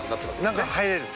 今中入れる？